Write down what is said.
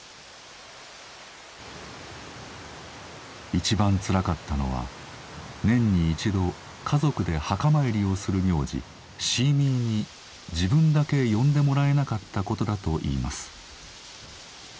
一番つらかったのは年に一度家族で墓参りをする行事シーミーに自分だけ呼んでもらえなかったことだといいます。